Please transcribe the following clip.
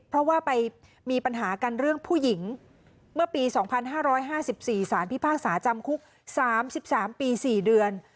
เพราะว่าไปมีปัญหากันเรื่องผู้หญิงเมื่อปี๒๕๕๔สารพิพากษาจำคุก๓๓ปี๔เดือน